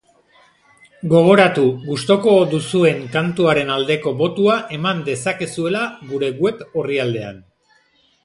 Gogoratu, gustuko duzuen kantuaren aldeko botua eman dezakezuela gure web orrialdean.